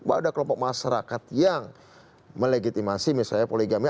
ada kelompok masyarakat yang melegitimasi misalnya poligamia